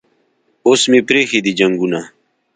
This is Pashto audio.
اوس مې پریښي دي جنګونه